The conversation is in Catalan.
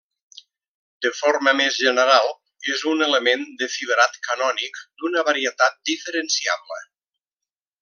De forma més general, és un element del fibrat canònic d'una varietat diferenciable.